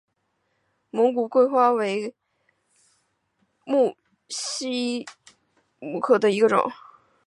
蒙自桂花为木犀科木犀属下的一个种。